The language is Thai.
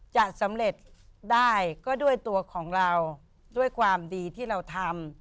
จะสำเร็จได้ก็ด้วยตัวของเราด้วยความดีที่เราทำ